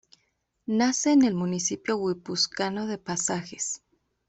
Nace en el municipio guipuzcoano de Pasajes.